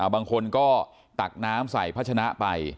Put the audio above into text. บางคนก็ตักน้ำใส่พัชนะไป